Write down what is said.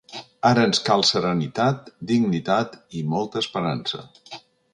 Ara ens cal serenitat, dignitat i molta esperança.